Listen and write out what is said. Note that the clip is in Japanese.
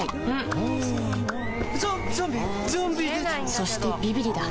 そしてビビリだ